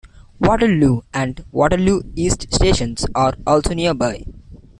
Waterloo and Waterloo East stations are also nearby.